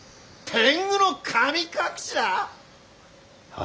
・・・天狗の神隠しだ？